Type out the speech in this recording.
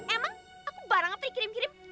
emang aku barang apa dikirim kirim